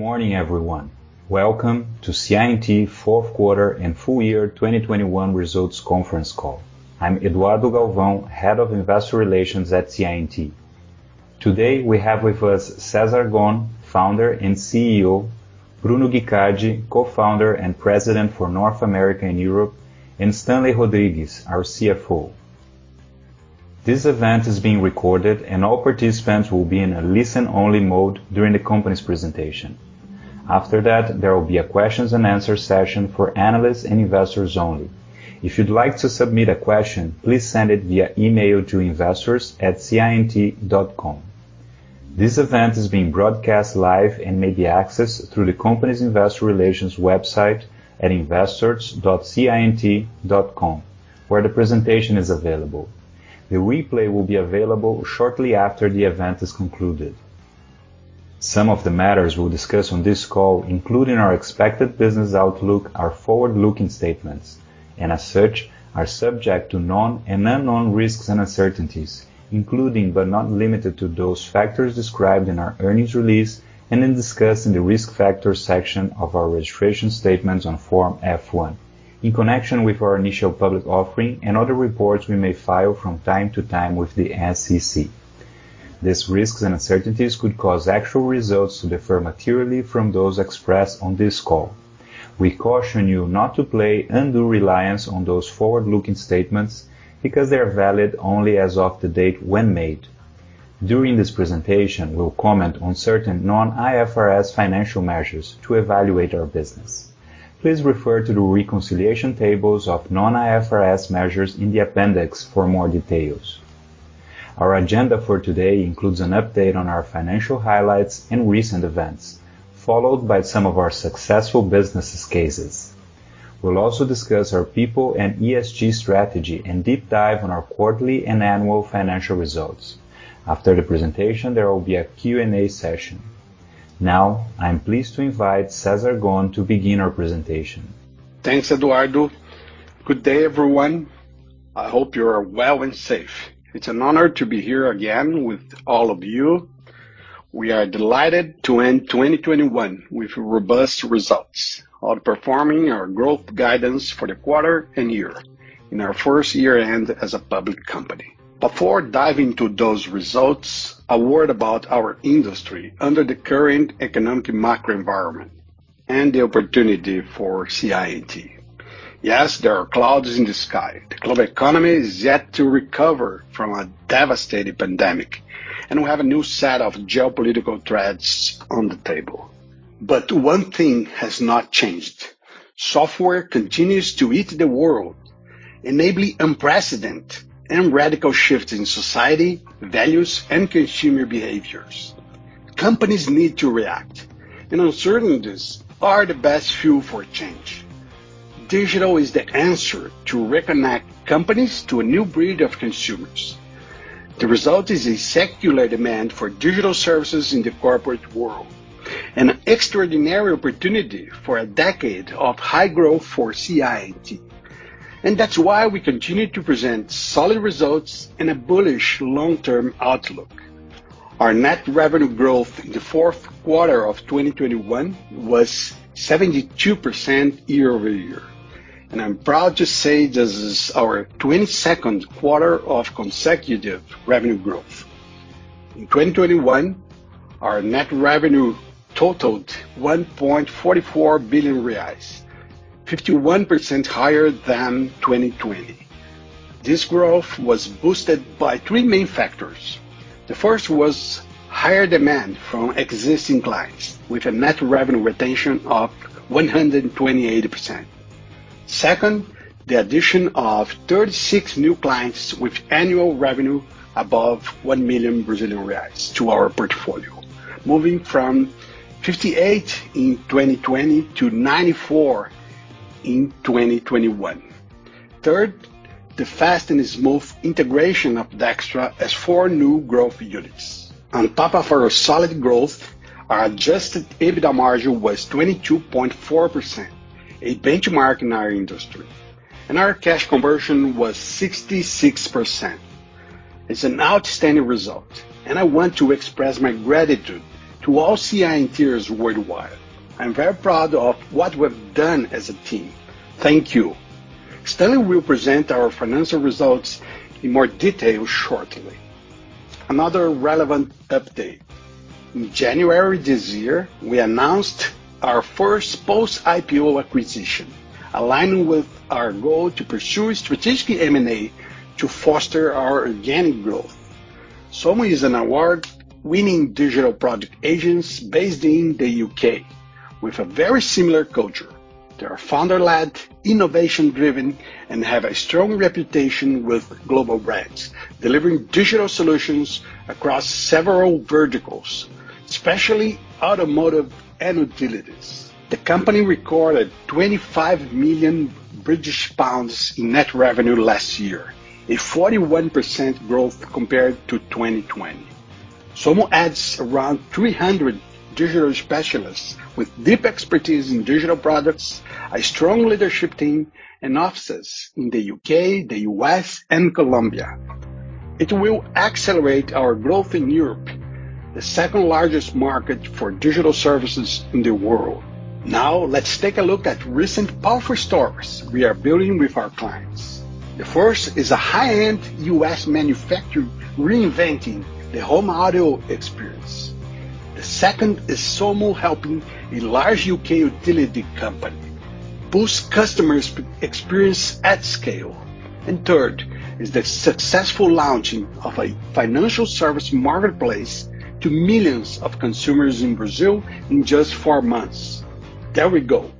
Morning everyone. Welcome to CI&T fourth quarter and full year 2021 results conference call. I'm Eduardo Galvão, Head of Investor Relations at CI&T. Today we have with us Cesar Gon, Founder and CEO, Bruno Guicardi, Co-Founder and President for North America and Europe, and Stanley Rodrigues, our CFO. This event is being recorded and all participants will be in a listen-only mode during the company's presentation. After that, there will be a Q&A session for analysts and investors only. If you'd like to submit a question, please send it via email to investors@ciandt.com. This event is being broadcast live and may be accessed through the company's Investor Relations website at investors.ciandt.com, where the presentation is available. The replay will be available shortly after the event is concluded. Some of the matters we'll discuss on this call, including our expected business outlook, are forward-looking statements, and as such, are subject to known and unknown risks and uncertainties, including, but not limited to those factors described in our earnings release and then discussed in the Risk Factors section of our registration statements on form F-1 in connection with our initial public offering and other reports we may file from time to time with the SEC. These risks and uncertainties could cause actual results to differ materially from those expressed on this call. We caution you not to place undue reliance on those forward-looking statements because they are valid only as of the date when made. During this presentation, we'll comment on certain non-IFRS financial measures to evaluate our business. Please refer to the reconciliation tables of non-IFRS measures in the appendix for more details. Our agenda for today includes an update on our financial highlights and recent events, followed by some of our successful business cases. We'll also discuss our people and ESG strategy and deep dive on our quarterly and annual financial results. After the presentation, there will be a Q&A session. Now, I'm pleased to invite Cesar Gon to begin our presentation. Thanks, Eduardo. Good day, everyone. I hope you are well and safe. It's an honor to be here again with all of you. We are delighted to end 2021 with robust results, outperforming our growth guidance for the quarter and year in our first year-end as a public company. Before diving into those results, a word about our industry under the current economic macro environment and the opportunity for CI&T. Yes, there are clouds in the sky. The global economy is yet to recover from a devastating pandemic, and we have a new set of geopolitical threats on the table. One thing has not changed. Software continues to eat the world, enabling unprecedented and radical shifts in society, values, and consumer behaviors. Companies need to react, and uncertainties are the best fuel for change. Digital is the answer to reconnect companies to a new breed of consumers. The result is a secular demand for digital services in the corporate world and an extraordinary opportunity for a decade of high growth for CI&T. That's why we continue to present solid results and a bullish long-term outlook. Our net revenue growth in the fourth quarter of 2021 was 72% year-over-year, and I'm proud to say this is our 22nd quarter of consecutive revenue growth. In 2021, our net revenue totaled 1.44 billion reais, 51% higher than 2020. This growth was boosted by three main factors. The first was higher demand from existing clients with a net revenue retention of 128%. Second, the addition of 36 new clients with annual revenue above 1 million Brazilian reais to our portfolio, moving from 58 in 2020 to 94 in 2021. Third, the fast and smooth integration of Dextra as four new Growth Units. On top of our solid growth, our adjusted EBITDA margin was 22.4%, a benchmark in our industry, and our cash conversion was 66%. It's an outstanding result, and I want to express my gratitude to all CI&Ters worldwide. I'm very proud of what we've done as a team. Thank you. Stanley will present our financial results in more detail shortly. Another relevant update: in January this year, we announced our first post-IPO acquisition, aligning with our goal to pursue strategic M&A to foster our organic growth. Somo is an award-winning digital product agency based in the U.K. with a very similar culture. They are founder-led, innovation-driven, and have a strong reputation with global brands, delivering digital solutions across several verticals, especially automotive and utilities. The company recorded 25 million British pounds in net revenue last year, a 41% growth compared to 2020. Somo adds around 300 digital specialists with deep expertise in digital products, a strong leadership team, and offices in the U.K., the U.S., and Colombia. It will accelerate our growth in Europe, the second largest market for digital services in the world. Now let's take a look at recent powerhouses we are building with our clients. The first is a high-end U.S. manufacturer reinventing the home audio experience. The second is Somo helping a large U.K. utility company boost customers' experience at scale. Third is the successful launching of a financial service marketplace to millions of consumers in Brazil in just 4 months. There we go.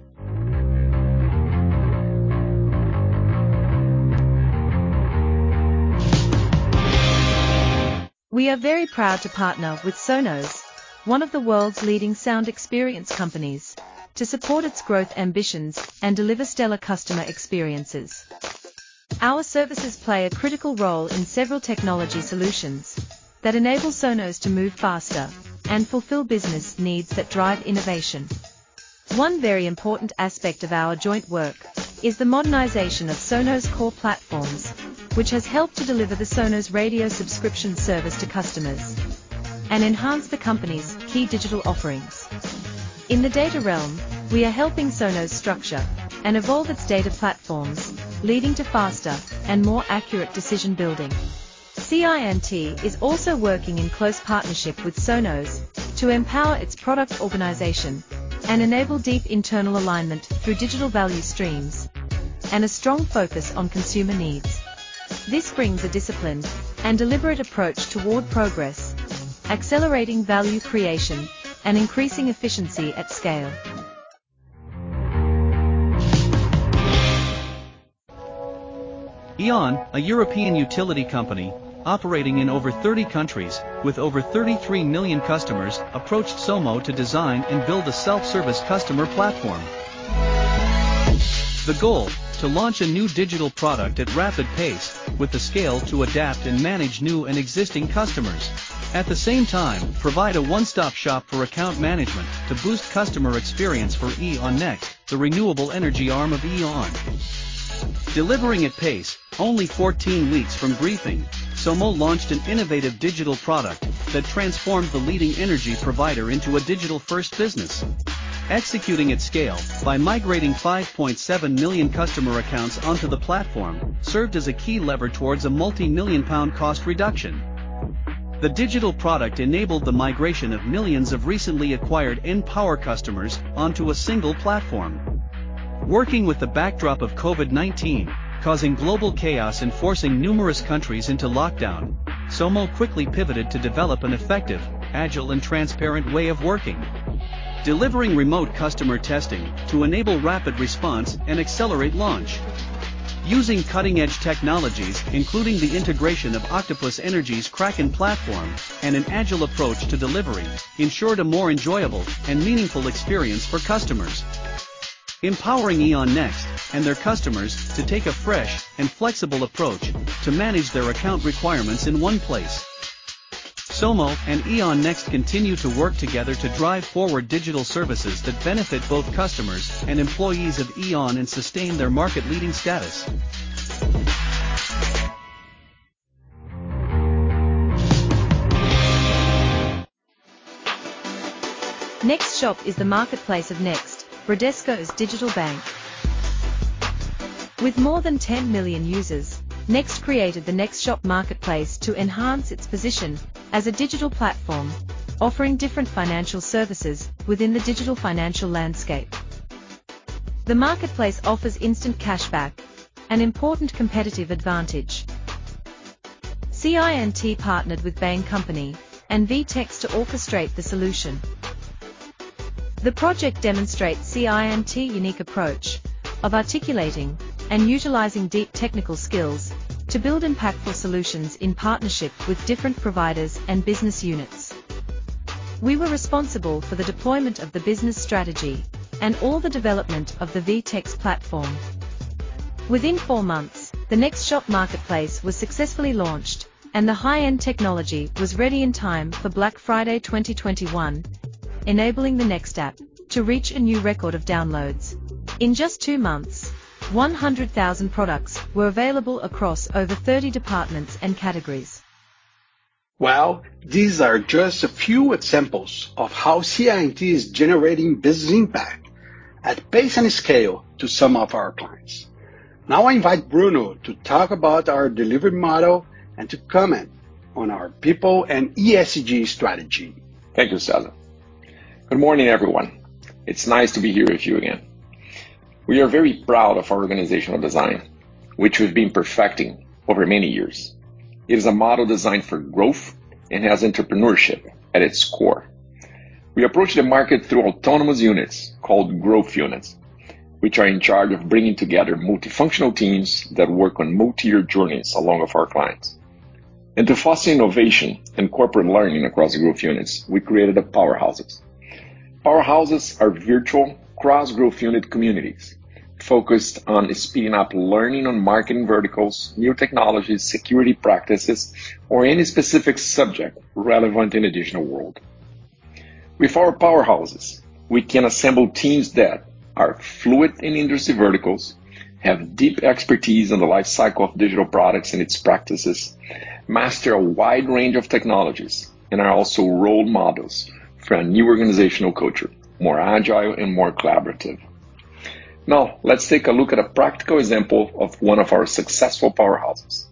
We are very proud to partner with Sonos, one of the world's leading sound experience companies, to support its growth ambitions and deliver stellar customer experiences. Our services play a critical role in several technology solutions that enable Sonos to move faster and fulfill business needs that drive innovation. One very important aspect of our joint work is the modernization of Sonos core platforms, which has helped to deliver the Sonos Radio subscription service to customers and enhance the company's key digital offerings. In the data realm, we are helping Sonos structure and evolve its data platforms, leading to faster and more accurate decision-building. CI&T is also working in close partnership with Sonos to empower its product organization and enable deep internal alignment through digital value streams and a strong focus on consumer needs. This brings a disciplined and deliberate approach toward progress, accelerating value creation and increasing efficiency at scale. E.ON, a European utility company operating in over 30 countries with over 33 million customers, approached Somo to design and build a self-service customer platform. The goal to launch a new digital product at rapid pace with the scale to adapt and manage new and existing customers. At the same time, provide a one-stop shop for account management to boost customer experience for E.ON Next, the renewable energy arm of E.ON. Delivering at pace, only 14 weeks from briefing, Somo launched an innovative digital product that transformed the leading energy provider into a digital-first business. Executing at scale by migrating 5.7 million customer accounts onto the platform served as a key lever towards a multi-million GBP cost reduction. The digital product enabled the migration of millions of recently acquired npower customers onto a single platform. Working with the backdrop of COVID-19 causing global chaos and forcing numerous countries into lockdown, Somo quickly pivoted to develop an effective, agile, and transparent way of working, delivering remote customer testing to enable rapid response and accelerate launch, using cutting-edge technologies, including the integration of Octopus Energy's Kraken platform and an agile approach to delivery, ensured a more enjoyable and meaningful experience for customers, empowering E.ON Next and their customers to take a fresh and flexible approach to manage their account requirements in one place. Somo and E.ON Next continue to work together to drive forward digital services that benefit both customers and employees of E.ON and sustain their market-leading status. Next Shop is the marketplace of Next, Bradesco's digital bank. With more than 10 million users, Next created the Next Shop marketplace to enhance its position as a digital platform offering different financial services within the digital financial landscape. The marketplace offers instant cashback, an important competitive advantage. CI&T partnered with Bain & Company and VTEX to orchestrate the solution. The project demonstrates CI&T's unique approach of articulating and utilizing deep technical skills to build impactful solutions in partnership with different providers and business units. We were responsible for the deployment of the business strategy and all the development of the VTEX platform. Within four months, the Next Shop marketplace was successfully launched, and the high-end technology was ready in time for Black Friday 2021, enabling the Next app to reach a new record of downloads. In just two months, 100,000 products were available across over 30 departments and categories. Well, these are just a few examples of how CI&T is generating business impact at pace and scale to some of our clients. Now I invite Bruno to talk about our delivery model and to comment on our people and ESG strategy. Thank you, Cesar. Good morning, everyone. It's nice to be here with you again. We are very proud of our organizational design, which we've been perfecting over many years. It is a model designed for growth and has entrepreneurship at its core. We approach the market through autonomous units called Growth Units, which are in charge of bringing together multifunctional teams that work on multi-year journeys along with our clients. To foster innovation and corporate learning across the Growth Units, we created the Powerhouses. Powerhouses are virtual cross-Growth Unit communities focused on speeding up learning on marketing verticals, new technologies, security practices, or any specific subject relevant in a digital world. With our powerhouses, we can assemble teams that are fluid in industry verticals, have deep expertise in the life cycle of digital products and its practices, master a wide range of technologies, and are also role models for a new organizational culture, more agile and more collaborative. Now let's take a look at a practical example of one of our successful powerhouses.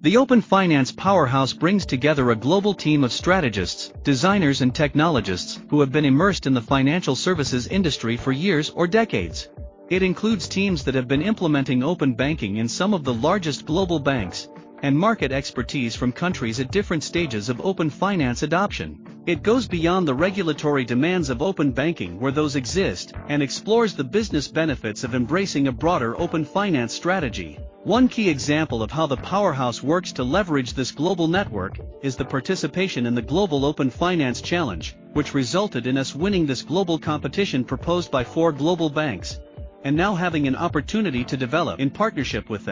The Open Finance Powerhouse brings together a global team of strategists, designers, and technologists who have been immersed in the financial services industry for years or decades. It includes teams that have been implementing open banking in some of the largest global banks and market expertise from countries at different stages of open finance adoption. It goes beyond the regulatory demands of open banking where those exist, and explores the business benefits of embracing a broader open finance strategy. One key example of how the powerhouse works to leverage this global network is the participation in the Global Open Finance Challenge, which resulted in us winning this global competition proposed by four global banks. Now having an opportunity to develop in partnership with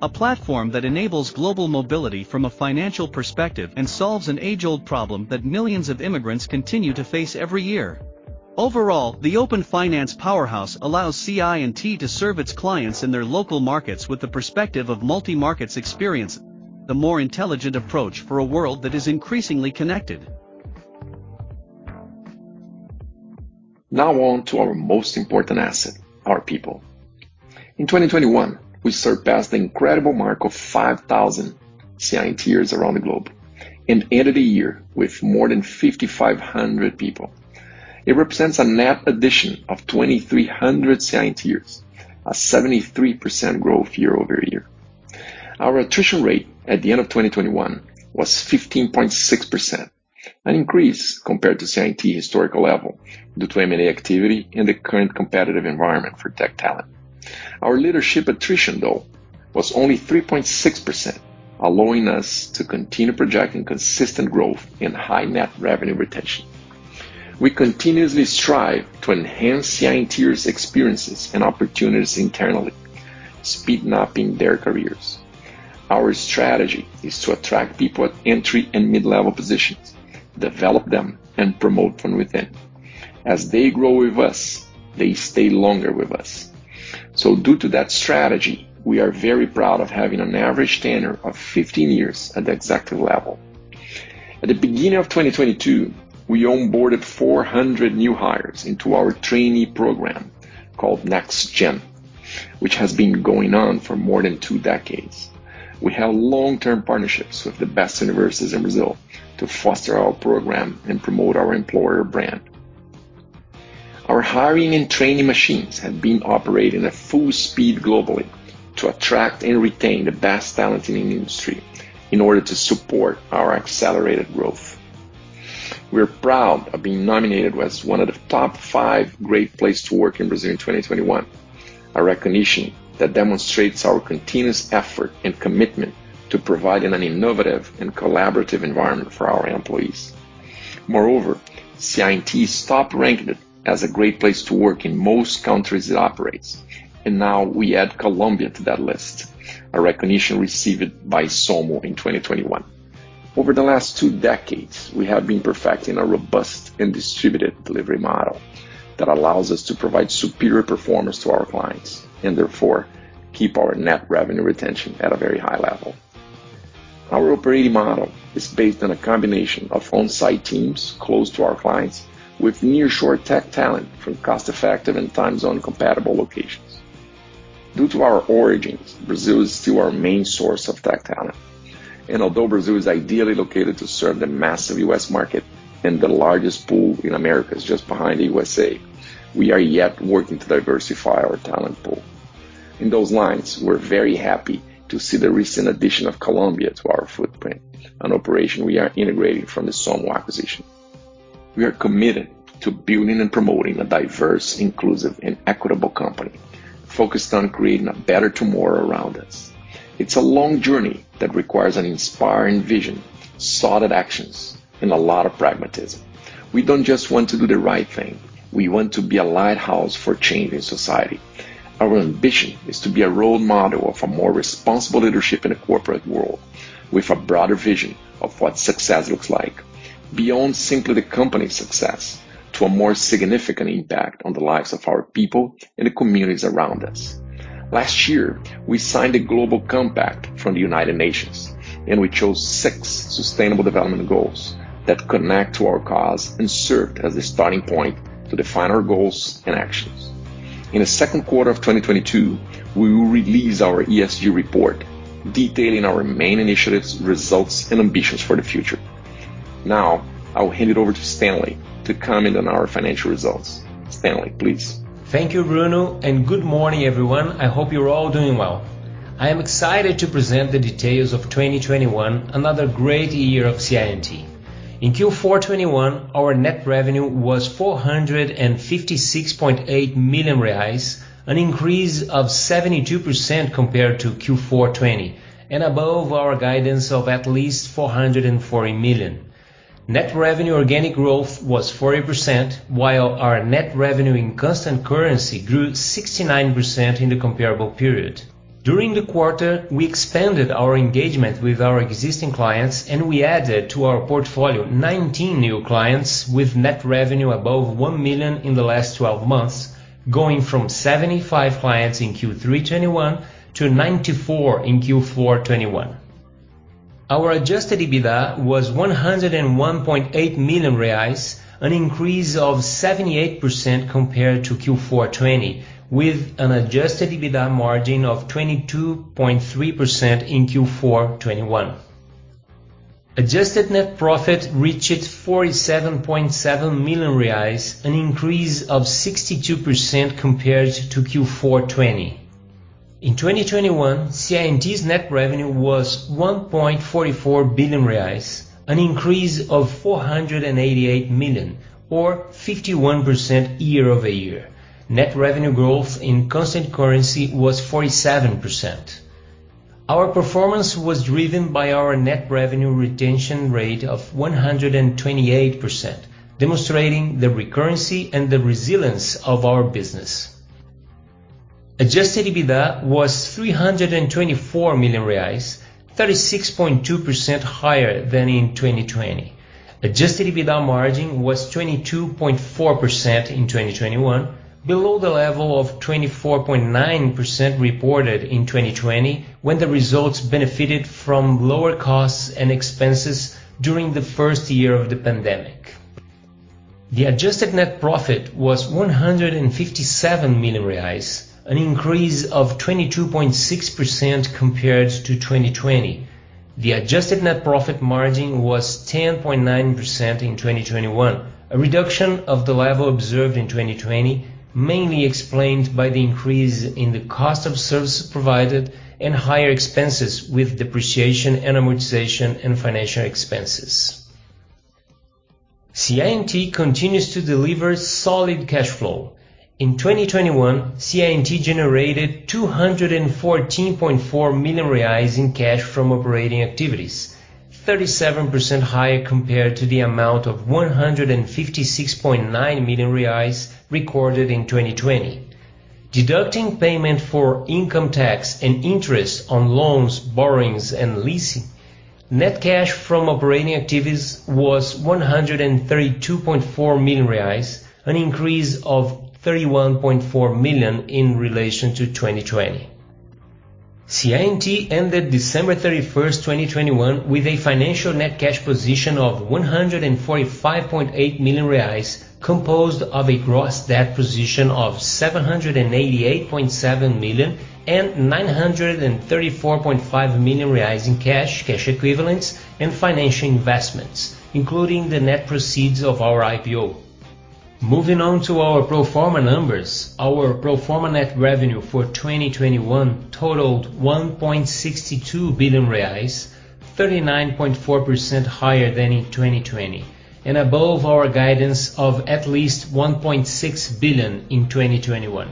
them a platform that enables global mobility from a financial perspective and solves an age-old problem that millions of immigrants continue to face every year. Overall, the Open Finance Powerhouse allows CI&T to serve its clients in their local markets with the perspective of multi-markets experience, the more intelligent approach for a world that is increasingly connected. Now on to our most important asset, our people. In 2021, we surpassed the incredible mark of 5,000 CI&Ters around the globe and ended the year with more than 5,500 people. It represents a net addition of 2,300 CI&Ters, a 73% growth year-over-year. Our attrition rate at the end of 2021 was 15.6%, an increase compared to CI&T historical level due to M&A activity and the current competitive environment for tech talent. Our leadership attrition, though, was only 3.6%, allowing us to continue projecting consistent growth in high net revenue retention. We continuously strive to enhance CI&Ters experiences and opportunities internally, speeding up in their careers. Our strategy is to attract people at entry and mid-level positions, develop them, and promote from within. As they grow with us, they stay longer with us. Due to that strategy, we are very proud of having an average tenure of 15 years at the executive level. At the beginning of 2022, we onboarded 400 new hires into our trainee program called Next Gen, which has been going on for more than two decades. We have long-term partnerships with the best universities in Brazil to foster our program and promote our employer brand. Our hiring and training machines have been operating at full speed globally to attract and retain the best talent in the industry in order to support our accelerated growth. We're proud of being nominated as one of the top 5 Great Place To Work in Brazil in 2021, a recognition that demonstrates our continuous effort and commitment to providing an innovative and collaborative environment for our employees. Moreover, CI&T is top-ranked as a Great Place to Work in most countries it operates. Now we add Colombia to that list, a recognition received by Somo in 2021. Over the last two decades, we have been perfecting a robust and distributed delivery model that allows us to provide superior performance to our clients and therefore keep our net revenue retention at a very high level. Our operating model is based on a combination of on-site teams close to our clients with nearshore tech talent from cost-effective and time zone-compatible locations. Due to our origins, Brazil is still our main source of tech talent. Although Brazil is ideally located to serve the massive U.S. market and the largest pool in Americas just behind U.S.A., we are yet working to diversify our talent pool. In those lines, we're very happy to see the recent addition of Colombia to our footprint, an operation we are integrating from the Somo acquisition. We are committed to building and promoting a diverse, inclusive, and equitable company focused on creating a better tomorrow around us. It's a long journey that requires an inspiring vision, solid actions, and a lot of pragmatism. We don't just want to do the right thing. We want to be a lighthouse for change in society. Our ambition is to be a role model of a more responsible leadership in a corporate world with a broader vision of what success looks like beyond simply the company's success to a more significant impact on the lives of our people and the communities around us. Last year, we signed a global compact from the United Nations, and we chose six sustainable development goals that connect to our cause and served as a starting point to define our goals and actions. In the second quarter of 2022, we will release our ESG report detailing our main initiatives, results, and ambitions for the future. Now, I will hand it over to Stanley to comment on our financial results. Stanley, please. Thank you, Bruno, and good morning, everyone. I hope you're all doing well. I am excited to present the details of 2021, another great year of CI&T. In Q4 2021, our net revenue was 456.8 million reais, an increase of 72% compared to Q4 2020 and above our guidance of at least 440 million. Net revenue organic growth was 40%, while our net revenue in constant currency grew 69% in the comparable period. During the quarter, we expanded our engagement with our existing clients, and we added to our portfolio 19 new clients with net revenue above 1 million in the last 12 months, going from 75 clients in Q3 2021 to 94 in Q4 2021. Our adjusted EBITDA was 101.8 million reais, an increase of 78% compared to Q4 2020, with an adjusted EBITDA margin of 22.3% in Q4 2021. Adjusted net profit reached 47.7 million reais, an increase of 62% compared to Q4 2020. In 2021, CI&T's net revenue was 1.44 billion reais, an increase of 488 million or 51% year-over-year. Net revenue growth in constant currency was 47%. Our performance was driven by our net revenue retention rate of 128%, demonstrating the recurrency and the resilience of our business. Adjusted EBITDA was 324 million reais, 36.2% higher than in 2020. Adjusted EBITDA margin was 22.4% in 2021, below the level of 24.9% reported in 2020 when the results benefited from lower costs and expenses during the first year of the pandemic. The adjusted net profit was 157 million reais, an increase of 22.6% compared to 2020. The adjusted net profit margin was 10.9% in 2021, a reduction of the level observed in 2020, mainly explained by the increase in the cost of services provided and higher expenses with depreciation, and amortization and financial expenses. CI&T continues to deliver solid cash flow. In 2021, CI&T generated 214.4 million reais in cash from operating activities, 37% higher compared to the amount of 156.9 million reais recorded in 2020. Deducting payment for income tax and interest on loans, borrowings and leasing, net cash from operating activities was 132.4 million reais, an increase of 31.4 million in relation to 2020. CI&T ended December 31, 2021 with a financial net cash position of 145.8 million reais, composed of a gross debt position of 788.7 million and 934.5 million reais in cash equivalents and financial investments, including the net proceeds of our IPO. Moving on to our pro forma numbers, our pro forma net revenue for 2021 totaled 1.62 billion reais, 39.4% higher than in 2020 and above our guidance of at least 1.6 billion in 2021.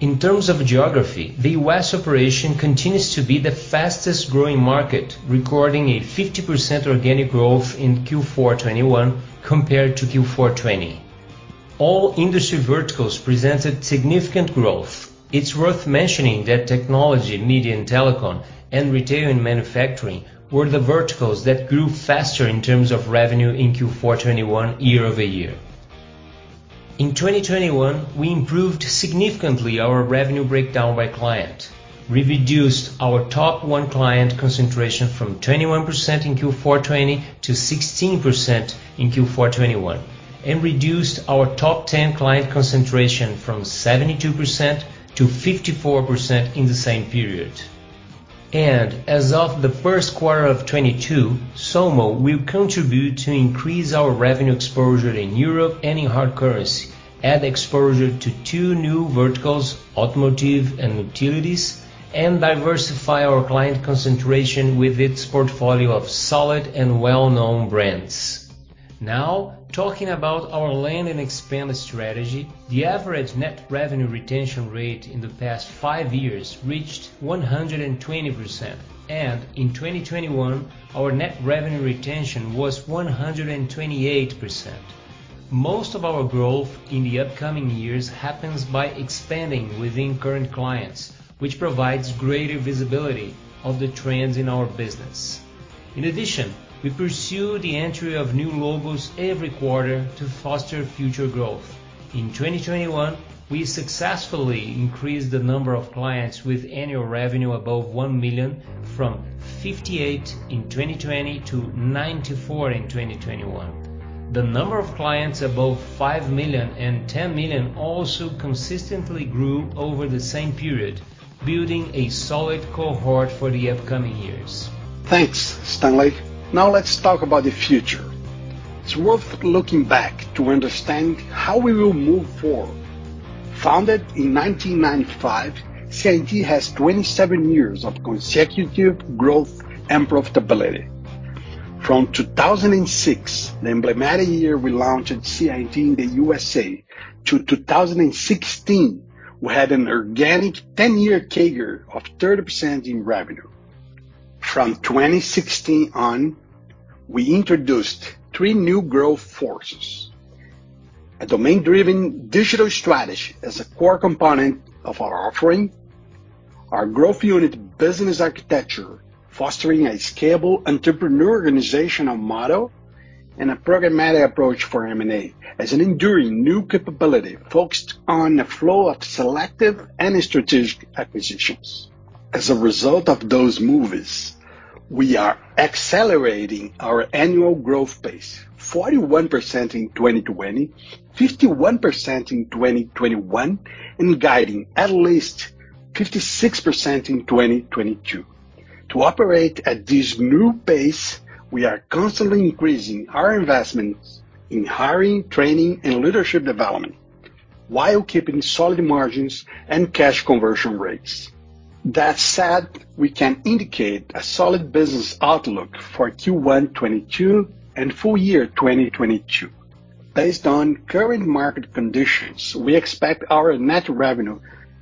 In terms of geography, the U.S. operation continues to be the fastest-growing market, recording a 50% organic growth in Q4 2021 compared to Q4 2020. All industry verticals presented significant growth. It's worth mentioning that technology, media, and telecom and retail and manufacturing were the verticals that grew faster in terms of revenue in Q4 2021 year-over-year. In 2021, we improved significantly our revenue breakdown by client. We reduced our top one client concentration from 21% in Q4 2020 to 16% in Q4 2021, and reduced our top ten client concentration from 72% to 54% in the same period. As of the first quarter of 2022, Somo will contribute to increase our revenue exposure in Europe and in hard currency adding exposure to two new verticals, automotive and utilities, and diversify our client concentration with its portfolio of solid and well-known brands. Now, talking about our land and expand strategy, the average net revenue retention rate in the past five years reached 120%, and in 2021, our net revenue retention was 128%. Most of our growth in the upcoming years happens by expanding within current clients, which provides greater visibility of the trends in our business. In addition, we pursue the entry of new logos every quarter to foster future growth. In 2021, we successfully increased the number of clients with annual revenue above $1 million from 58 in 2020-94 in 2021. The number of clients above 5 million and 10 million also consistently grew over the same period, building a solid cohort for the upcoming years. Thanks, Stanley. Now let's talk about the future. It's worth looking back to understand how we will move forward. Founded in 1995, CI&T has 27 years of consecutive growth and profitability. From 2006, the emblematic year we launched CI&T in the U.S., to 2016, we had an organic 10-year CAGR of 30% in revenue. From 2016 on, we introduced three new growth forces, a domain-driven digital strategy as a core component of our offering, our Growth Unit business architecture fostering a scalable entrepreneurial organizational model, and a programmatic approach for M&A as an enduring new capability focused on the flow of selective and strategic acquisitions. As a result of those moves, we are accelerating our annual growth pace 41% in 2020, 51% in 2021, and guiding at least 56% in 2022. To operate at this new pace, we are constantly increasing our investments in hiring, training, and leadership development while keeping solid margins and cash conversion rates. That said, we can indicate a solid business outlook for Q1 2022 and full year 2022. Based on current market conditions, we expect our net revenue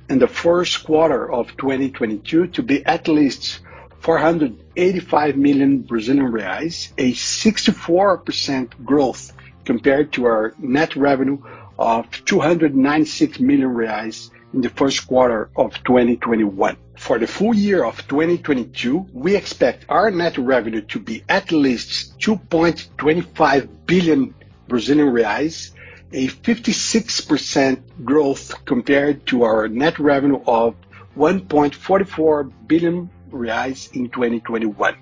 in the first quarter of 2022 to be at least 485 million Brazilian reais, a 64% growth compared to our net revenue of 296 million reais in the first quarter of 2021. For the full year of 2022, we expect our net revenue to be at least 2.25 billion Brazilian reais, a 56% growth compared to our net revenue of 1.44 billion reais in 2021.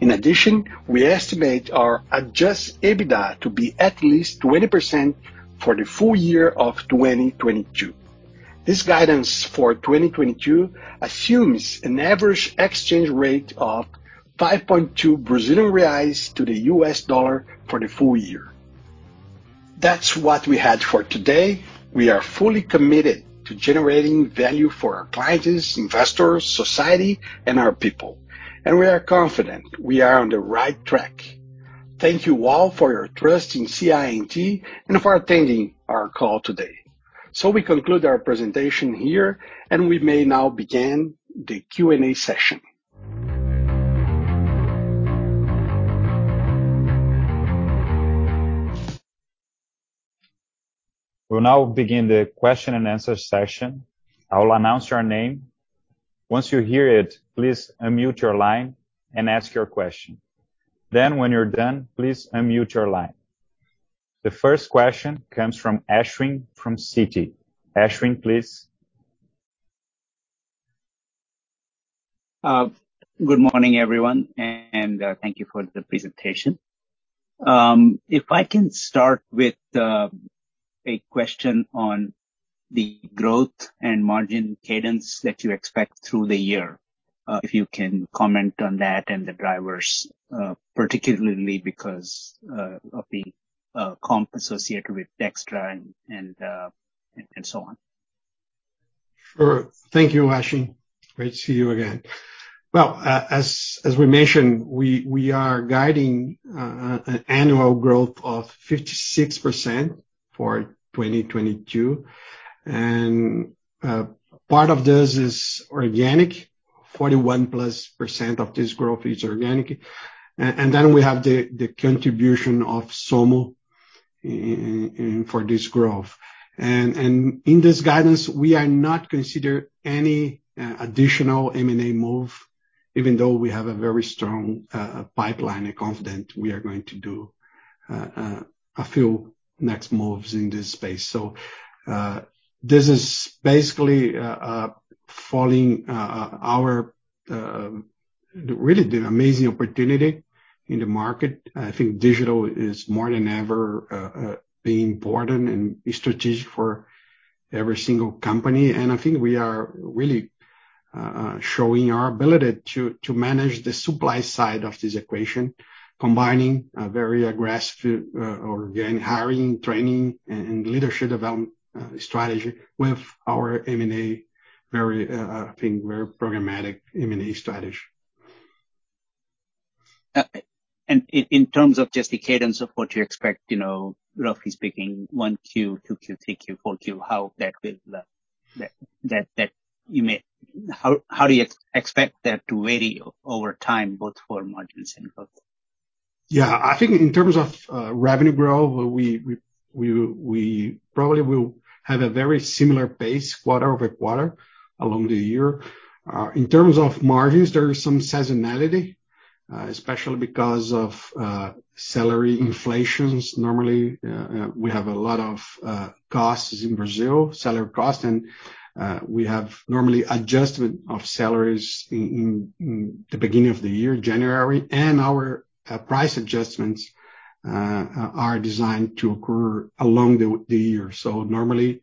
In addition, we estimate our adjusted EBITDA to be at least 20% for the full year of 2022. This guidance for 2022 assumes an average exchange rate of 5.2 Brazilian reals to the U.S. dollar for the full year. That's what we had for today. We are fully committed to generating value for our clients, investors, society, and our people, and we are confident we are on the right track. Thank you all for your trust in CI&T and for attending our call today. We conclude our presentation here, and we may now begin the Q&A session. We'll now begin the question-and-answer session. I will announce your name. Once you hear it, please unmute your line and ask your question. Then when you're done, please mute your line. The first question comes from Ashwin from Citi. Ashwin, please. Good morning, everyone, and thank you for the presentation. If I can start with a question on the growth and margin cadence that you expect through the year. If you can comment on that and the drivers, particularly because of the comp associated with Dextra and so on. Sure. Thank you, Ashwin. Great to see you again. Well, as we mentioned, we are guiding an annual growth of 56% for 2022. Part of this is organic. 41%+ of this growth is organic. Then we have the contribution of Somo in for this growth. In this guidance, we are not consider any additional M&A move, even though we have a very strong pipeline and confident we are going to do a few next moves in this space. This is basically following our really the amazing opportunity in the market. I think digital is more than ever being important and strategic for every single company. I think we are really showing our ability to manage the supply side of this equation, combining a very aggressive organic hiring, training, and leadership development strategy with our M&A very, I think very programmatic M&A strategy. In terms of just the cadence of what you expect, you know, roughly speaking, Q1, Q2, Q3, Q4, how do you expect that to vary over time, both for margins and growth? Yeah. I think in terms of revenue growth, we probably will have a very similar pace quarter-over-quarter along the year. In terms of margins, there is some seasonality, especially because of salary inflations. Normally, we have a lot of costs in Brazil, salary costs, and we have normally adjustment of salaries in the beginning of the year, January. Our price adjustments are designed to occur along the year. Normally,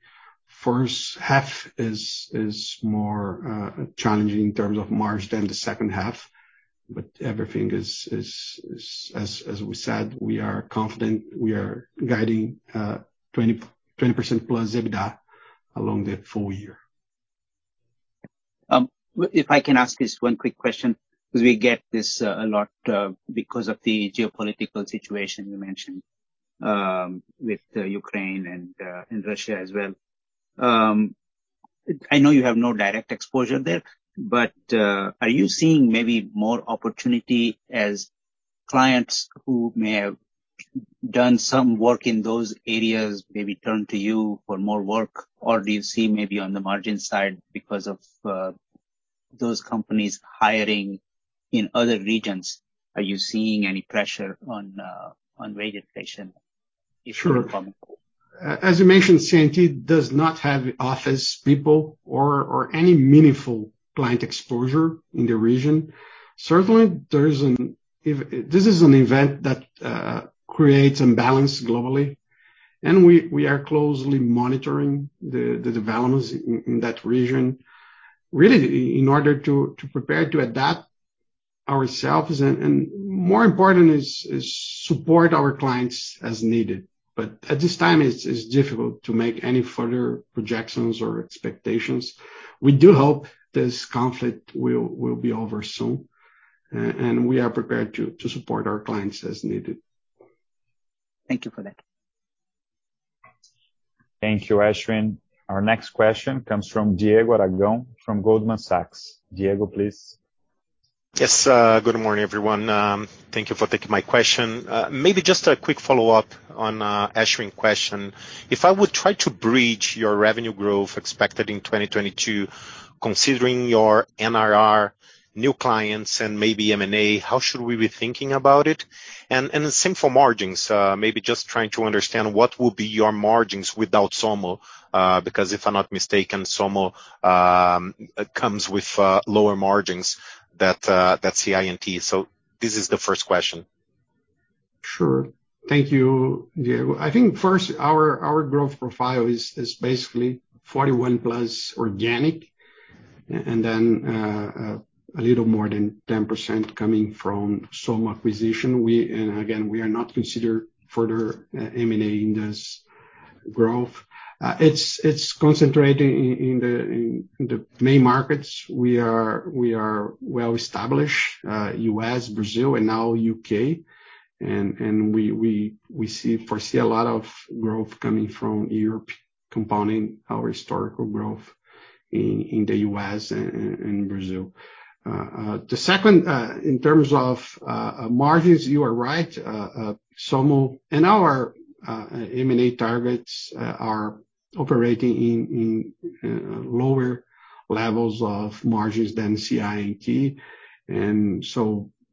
first half is more challenging in terms of margin than the second half. Everything is. As we said, we are confident, we are guiding 20%+ EBITDA along the full year. If I can ask just one quick question, 'cause we get this a lot, because of the geopolitical situation you mentioned, with Ukraine and Russia as well. I know you have no direct exposure there, but are you seeing maybe more opportunity as clients who may have done some work in those areas maybe turn to you for more work? Or do you see maybe on the margin side because of those companies hiring in other regions, are you seeing any pressure on wage inflation issue from-- Sure. As you mentioned, CI&T does not have office people or any meaningful client exposure in the region. Certainly, this is an event that creates imbalance globally. We are closely monitoring the developments in that region in order to prepare to adapt ourselves, and more important is support our clients as needed. At this time, it's difficult to make any further projections or expectations. We do hope this conflict will be over soon, and we are prepared to support our clients as needed. Thank you for that. Thank you, Ashwin. Our next question comes from Diego Aragão from Goldman Sachs. Diego, please. Yes. Good morning, everyone. Thank you for taking my question. Maybe just a quick follow-up on Ashwin question. If I would try to bridge your revenue growth expected in 2022, considering your MRR new clients and maybe M&A, how should we be thinking about it? And the same for margins. Maybe just trying to understand what will be your margins without Somo. Because if I'm not mistaken, Somo comes with lower margins than CI&T. This is the first question. Sure. Thank you, Diego. I think first, our growth profile is basically 41% plus organic, and then a little more than 10% coming from Somo acquisition. Again, we are not considering further M&A in this growth. It's concentrating in the main markets. We are well-established U.S., Brazil, and now U.K. We foresee a lot of growth coming from Europe, compounding our historical growth in the U.S. and Brazil. The second, in terms of margins, you are right. Somo and our M&A targets are operating in lower levels of margins than CI&T.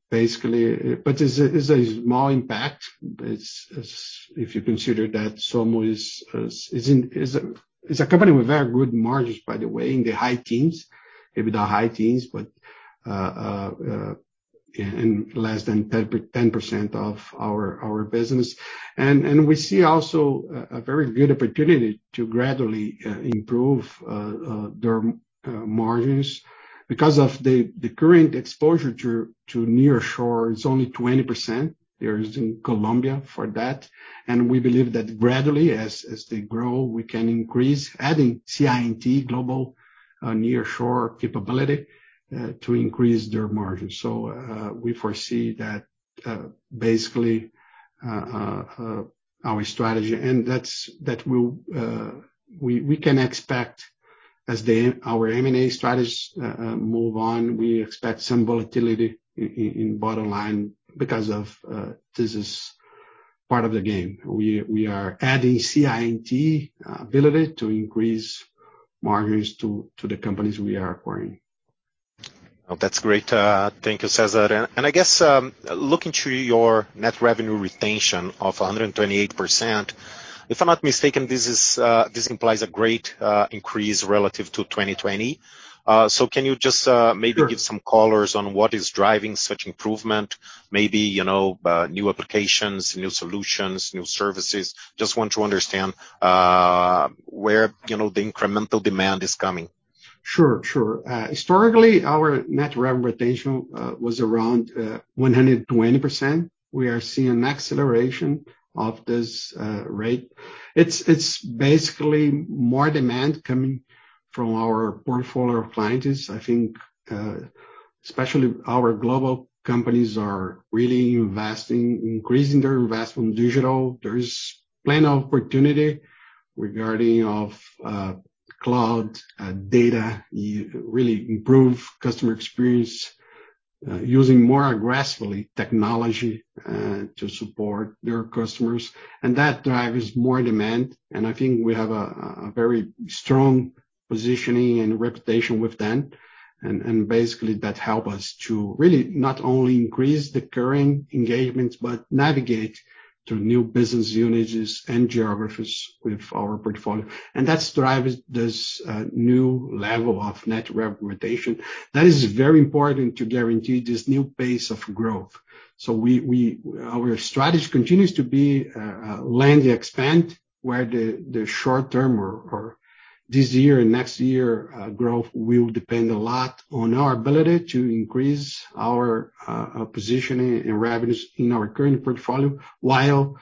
Basically, it's a small impact. It's if you consider that Somo is a company with very good margins, by the way, in the high teens. Maybe not high teens, but in less than 10% of our business. We see also a very good opportunity to gradually improve their margins because the current exposure to nearshore is only 20%. They're in Colombia for that. We believe that gradually, as they grow, we can increase adding CI&T global nearshore capability to increase their margins. We foresee that basically our strategy and that will we can expect as our M&A strategies move on, we expect some volatility in bottom line because this is part of the game. We are adding CI&T ability to increase margins to the companies we are acquiring. That's great. Thank you, Cesar. I guess, looking to your net revenue retention of 128%, if I'm not mistaken, this implies a great increase relative to 2020. Can you just maybe give some colors on what is driving such improvement? Maybe, you know, new applications, new solutions, new services. Just want to understand where, you know, the incremental demand is coming. Sure. Historically, our net revenue retention was around 120%. We are seeing an acceleration of this rate. It's basically more demand coming from our portfolio of clients. I think especially our global companies are really investing, increasing their investment in digital. There is plenty of opportunity regarding of cloud data. You really improve customer experience using more aggressively technology to support their customers. That drives more demand. I think we have a very strong positioning and reputation with them. Basically that help us to really not only increase the current engagements, but navigate to new business units and geographies with our portfolio. That drives this new level of net revenue retention. That is very important to guarantee this new pace of growth. Our strategy continues to be land expand, where the short term or this year and next year growth will depend a lot on our ability to increase our positioning and revenues in our current portfolio while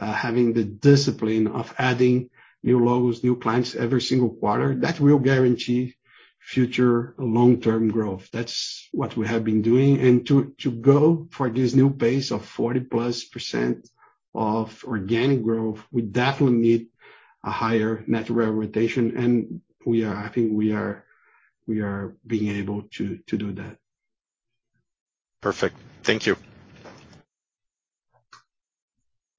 having the discipline of adding new logos, new clients every single quarter. That will guarantee future long-term growth. That's what we have been doing. To go for this new pace of 40+% of organic growth, we definitely need a higher net revenue retention, and we are. I think we are being able to do that. Perfect. Thank you.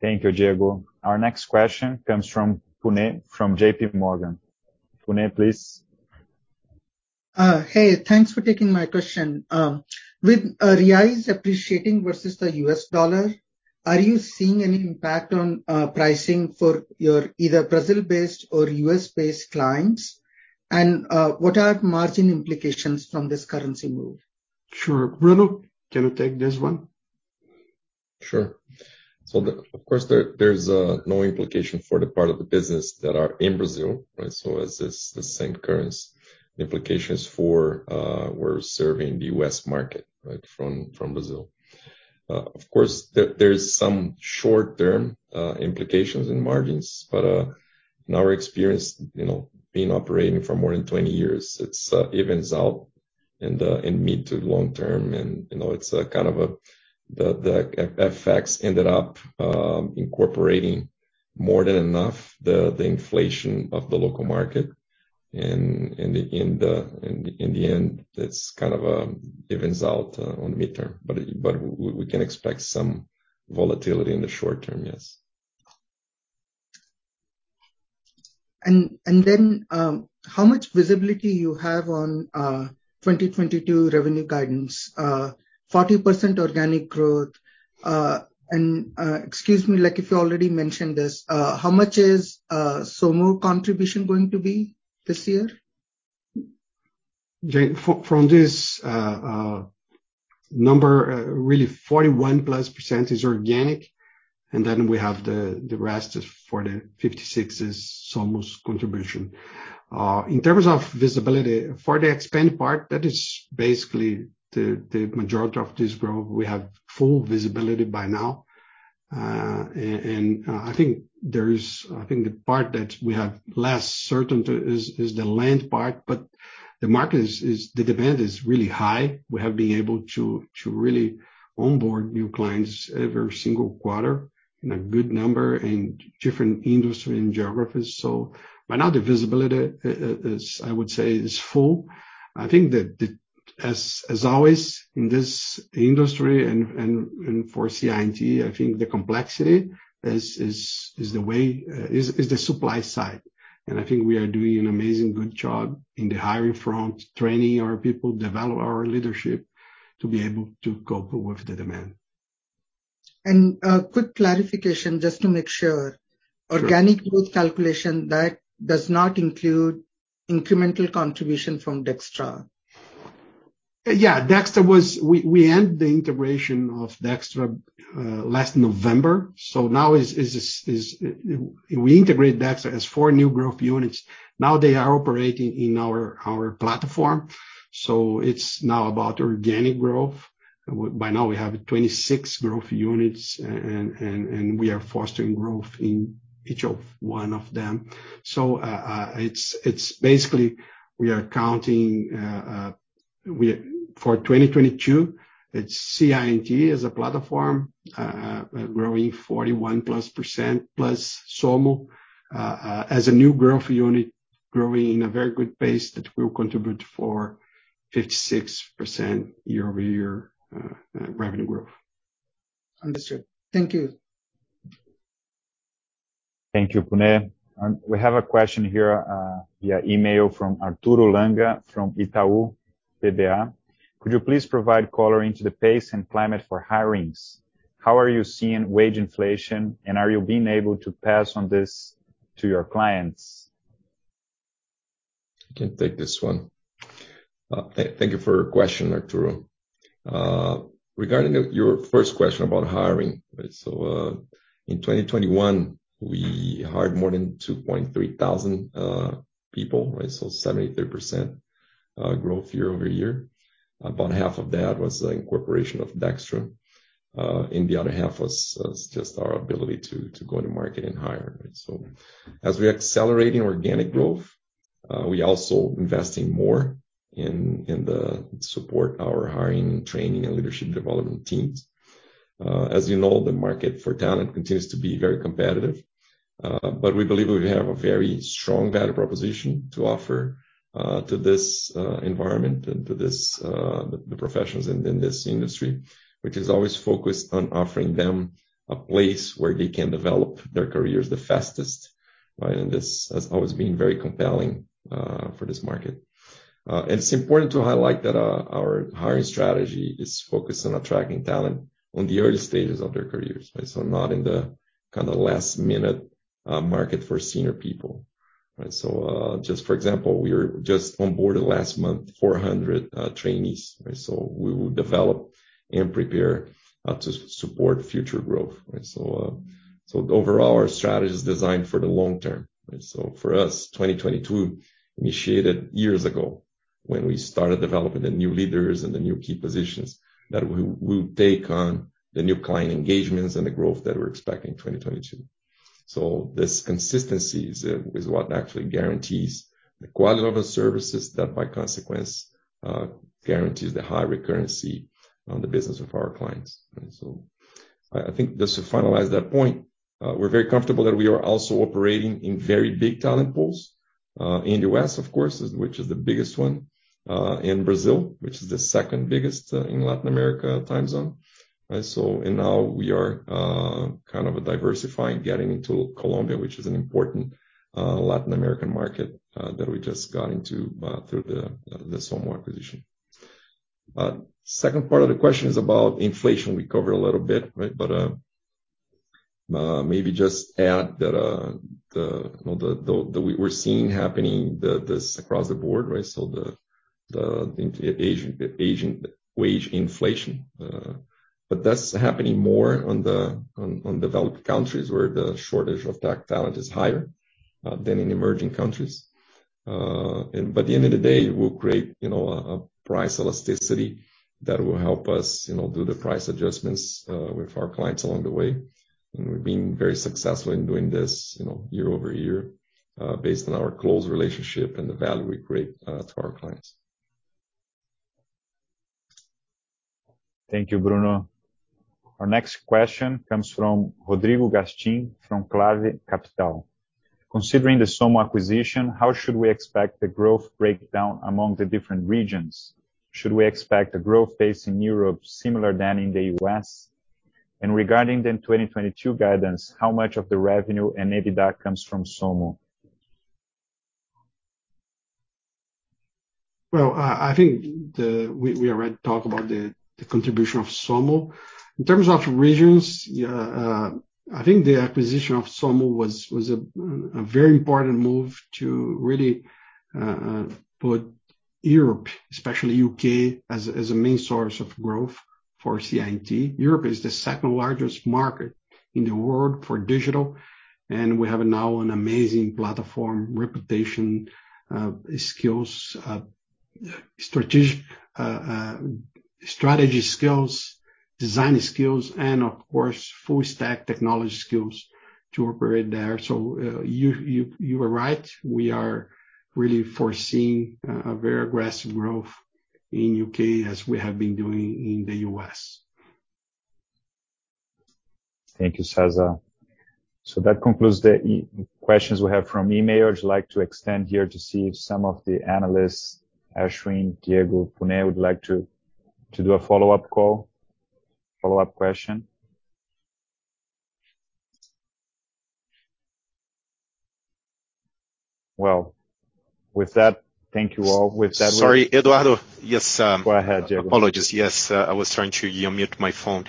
Thank you, Diego. Our next question comes from Puneet from JPMorgan. Puneet, please. Hey, thanks for taking my question. With reais appreciating versus the U.S. dollar, are you seeing any impact on pricing for your either Brazil-based or U.S.-based clients? What are margin implications from this currency move? Sure. Bruno, can you take this one? Sure. Of course, there's no implication for the part of the business that are in Brazil, right? As it's the same currency implications for we're serving the U.S. market, right? From Brazil. Of course, there's some short-term implications in margins, but in our experience, you know, being operating for more than 20 years, it's evens out in the mid to long term. You know, it's a kind of the FX ended up incorporating more than enough the inflation of the local market. In the end, that's kind of evens out on the mid-term. We can expect some volatility in the short term, yes. How much visibility you have on 2022 revenue guidance? 40% organic growth. Excuse me, like if you already mentioned this, how much is Somo contribution going to be this year? From this number, really 41%+ is organic, and then we have the rest of the 56 is Somo's contribution. In terms of visibility, for the expand part, that is basically the majority of this growth. We have full visibility by now. I think the part that we have less certainty is the land part, but the market is the demand is really high. We have been able to really onboard new clients every single quarter in a good number in different industry and geographies. So by now, the visibility is, I would say, full. As always in this industry and for CI&T, I think the complexity is the supply side. I think we are doing an amazing good job in the hiring front, training our people, develop our leadership to be able to cope with the demand. A quick clarification, just to make sure. Sure. Organic growth calculation, that does not include incremental contribution from Dextra. We ended the integration of Dextra last November. We integrate Dextra as four new Growth Units. Now they are operating in our platform. It's now about organic growth. By now, we have 26 Growth Units, and we are fostering growth in each one of them. It's basically we are counting for 2022, it's CI&T as a platform growing 41%+, plus Somo as a new Growth Unit growing in a very good pace that will contribute for 56% year-over-year revenue growth. Understood. Thank you. Thank you, Puneet. We have a question here, via email from Arturo Langa from Itaú BBA. Could you please provide color into the pace and climate for hirings? How are you seeing wage inflation, and are you being able to pass on this to your clients? I can take this one. Thank you for your question, Arturo. Regarding your first question about hiring, right? In 2021, we hired more than 2,300 people, right? 73% growth year-over-year. About half of that was the incorporation of Dextra, and the other half was just our ability to go into the market and hire, right? As we're accelerating organic growth, we're also investing more in supporting our hiring, training, and leadership development teams. As you know, the market for talent continues to be very competitive, but we believe we have a very strong value proposition to offer to this environment and to the professionals in this industry, which is always focused on offering them a place where they can develop their careers the fastest, right? This has always been very compelling for this market. It's important to highlight that our hiring strategy is focused on attracting talent on the early stages of their careers. Right? Not in the kinda last minute market for senior people. Right? Just for example, we just onboarded last month 400 trainees. Right? We will develop and prepare to support future growth. Right? Overall, our strategy is designed for the long term. Right? For us, 2022 initiated years ago when we started developing the new leaders and the new key positions that we would take on the new client engagements and the growth that we're expecting in 2022. This consistency is what actually guarantees the quality of our services that by consequence guarantees the high recurrency on the business of our clients. I think just to finalize that point, we're very comfortable that we are also operating in very big talent pools in the U.S., of course, which is the biggest one, in Brazil, which is the second biggest, in Latin America time zone, right? Now we are kind of diversifying, getting into Colombia, which is an important Latin American market that we just got into through the Somo acquisition. Second part of the question is about inflation. We covered a little bit, right? Maybe just add that you know, we're seeing this happening across the board, right? The agent wage inflation that's happening more on developed countries where the shortage of tech talent is higher than in emerging countries. At the end of the day, it will create you know a price elasticity that will help us you know do the price adjustments with our clients along the way. We've been very successful in doing this you know year-over-year based on our close relationship and the value we create to our clients. Thank you, Bruno. Our next question comes from Rodrigo Gastim from Clave Capital. Considering the Somo acquisition, how should we expect the growth breakdown among the different regions? Should we expect a growth pace in Europe similar than in the U.S.? And regarding the 2022 guidance, how much of the revenue and EBITDA comes from Somo? I think we already talked about the contribution of Somo. In terms of regions, I think the acquisition of Somo was a very important move to really put Europe, especially U.K., as a main source of growth for CI&T. Europe is the second largest market in the world for digital, and we have now an amazing platform, reputation, skills, strategy skills, design skills, and of course, full stack technology skills to operate there. You are right. We are really foreseeing a very aggressive growth in U.K. as we have been doing in the U.S. Thank you, Cesar. That concludes the e-questions we have from email. Would you like to extend here to see if some of the analysts, Ashwin, Diego, Puneet would like to do a follow-up call, follow-up question? Well, with that, thank you all. With that. Sorry, Eduardo Galvão. Yes. Go ahead, Diego. Apologies. Yes, I was trying to unmute my phone.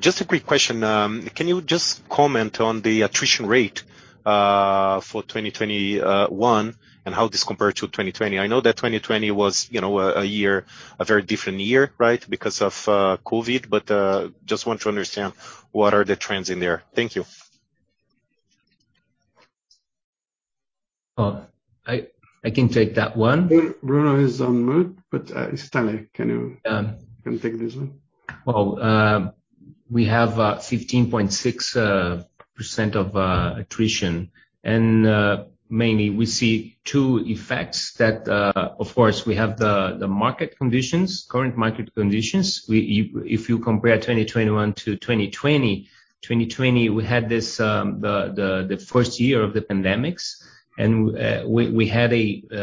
Just a quick question. Can you just comment on the attrition rate for 2021 and how this compares to 2020? I know that 2020 was, you know, a year, a very different year, right, because of COVID. Just want to understand what are the trends in there. Thank you. I can take that one. Bruno is on mute, but Stanley, can you-- Yeah. Can you take this one? Well, we have 15.6% attrition. Mainly we see two effects that, of course, we have the current market conditions. If you compare 2021-2020, 2020 we had this, the first year of the pandemic and we had the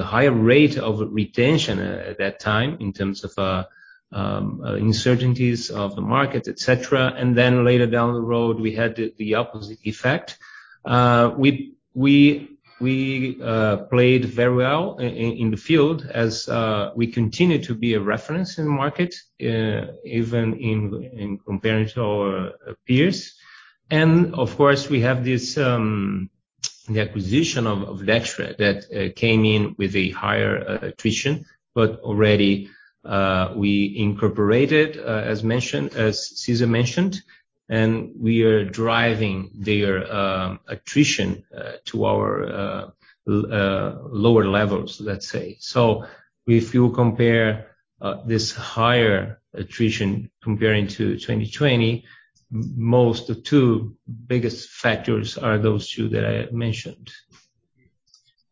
higher rate of retention at that time in terms of uncertainties of the market, et cetera. Then later down the road, we had the opposite effect. We played very well in the field as we continue to be a reference in the market, even in comparing to our peers. Of course, we have the acquisition of Dextra that came in with a higher attrition. Already, we incorporated, as mentioned, as Cesar mentioned, and we are driving their attrition to our lower levels, let's say. If you compare this higher attrition compared to 2020, most of the two biggest factors are those two that I mentioned.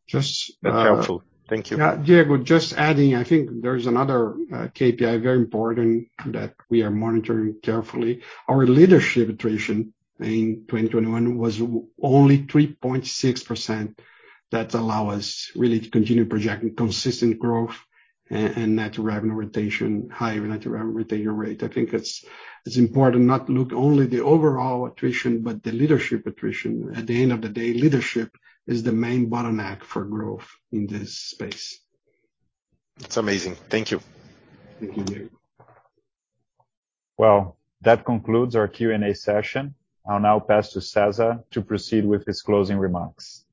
Just, uh- That's helpful. Thank you. Yeah. Diego, just adding, I think there's another KPI very important that we are monitoring carefully. Our leadership attrition in 2021 was only 3.6% that allow us really to continue projecting consistent growth and net revenue retention, higher net revenue retention rate. I think it's important not to look only the overall attrition, but the leadership attrition. At the end of the day, leadership is the main bottleneck for growth in this space. It's amazing. Thank you. Thank you, Diego. Well, that concludes our Q&A session. I'll now pass to Cesar to proceed with his closing remarks.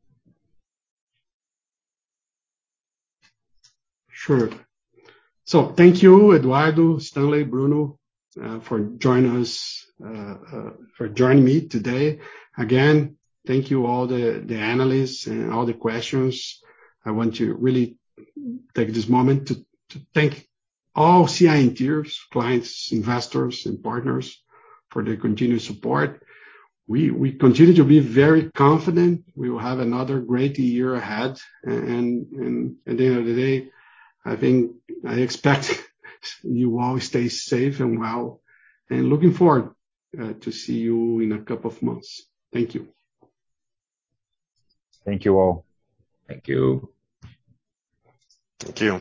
Sure. Thank you, Eduardo, Stanley, Bruno, for joining me today. Again, thank you all the analysts and all the questions. I want to really take this moment to thank all CI&Ters, clients, investors and partners for their continued support. We continue to be very confident we will have another great year ahead. And at the end of the day, I think, I expect you all stay safe and well, and looking forward to see you in a couple of months. Thank you. Thank you all. Thank you. Thank you.